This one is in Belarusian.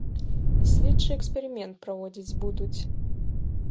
І следчы эксперымент праводзіць будуць.